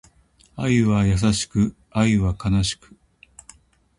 愛は優しく、愛は悲しく